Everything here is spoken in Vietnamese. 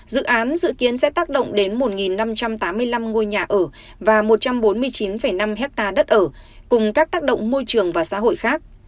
dự án dự kiến sẽ tác động đến một năm trăm tám mươi năm ngôi nhà ở và một trăm bốn mươi chín năm hectare đất ở cùng các tác động môi trường và xã hội khác